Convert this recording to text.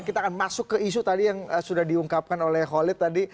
kita akan masuk ke isu tadi yang sudah diungkapkan oleh holid tadi